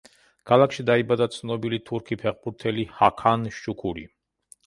ქალაქში დაიბადა ცნობილი თურქი ფეხბურთელი ჰაქან შუქური.